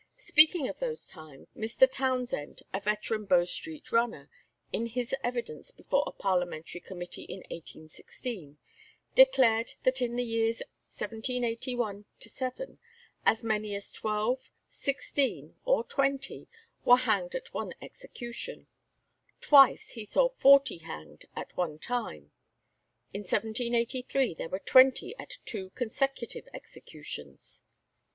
Speaking of those times, Mr. Townshend, a veteran Bow Street runner, in his evidence before a Parliamentary Committee in 1816, declared that in the years 1781 7 as many as twelve, sixteen, or twenty were hanged at one execution; twice he saw forty hanged at one time. In 1783 there were twenty at two consecutive executions.